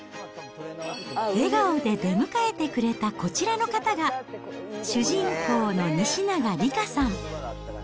笑顔で出迎えてくれたこちらの方が、主人公の西永理佳さん。